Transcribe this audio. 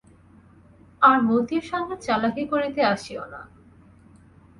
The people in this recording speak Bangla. আর মতির সঙ্গে চালাকি করিতে আসিও না।